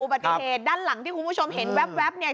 ปฏิเหตุด้านหลังที่คุณผู้ชมเห็นแว๊บเนี่ย